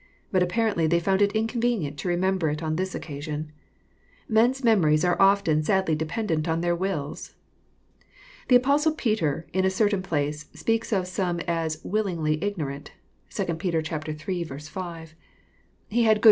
But apparently they found it inconvenient to remember it on this oc casion. Men's memories are often sadly dependent on their wills. The Apostle Peter, in a certain place, speaks of some as " willingly ignorant." (2 Pet. iii^ 5.) He had good n 28 EXPOsrroRT thoughts.